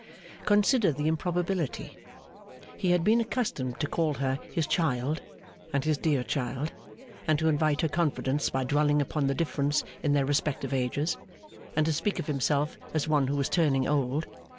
Consider the improbability. He had been accustomed to call her his child, and his dear child, and to invite her confidence by dwelling upon the difference in their respective ages, and to speak of himself as one who was turning old.